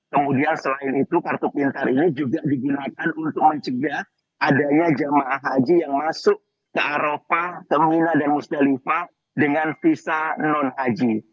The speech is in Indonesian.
kemudian selain itu kartu pintar ini juga digunakan untuk mencegah adanya jemaah haji yang masuk ke arafah ke mina dan musdalifah dengan visa non haji